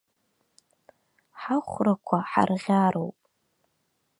Ҳахәрақәа ҳарӷьароуп.